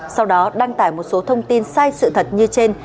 sau đó đăng tải một số thông tin sai sự thật như trên